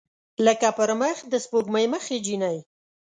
لکه پر مخ د سپوږمۍ مخې جینۍ